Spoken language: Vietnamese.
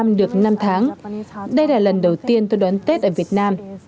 tôi đã tìm hiểu rằng việt nam được năm tháng đây là lần đầu tiên tôi đón tết ở việt nam